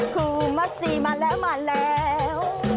ครูมัสซีมาแล้วมาแล้ว